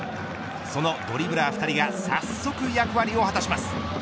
そのドリブラー２人が早速役割を果たします。